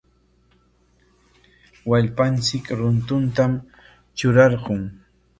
Wallpanchik runtutam trurarqun.